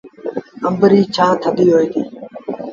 آݩب ريٚ تآسيٚر ٿڌي هوئي ديٚ۔